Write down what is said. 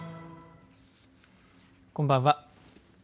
こんばんは。